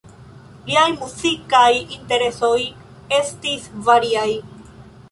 Liaj muzikaj interesoj estis variaj.